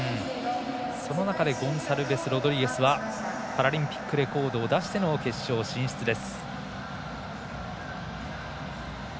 その中でゴンサルベスロドリゲスはパラリンピックレコードを出しての決勝進出です。